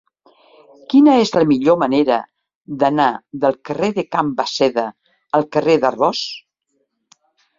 Quina és la millor manera d'anar del carrer de Can Basseda al carrer d'Arbós?